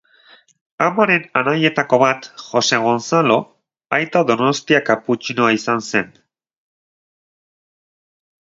Amaren anaietako bat, Jose Gonzalo, Aita Donostia kaputxinoa izan zen.